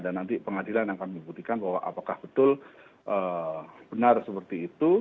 dan nanti pengadilan akan membuktikan bahwa apakah betul benar seperti itu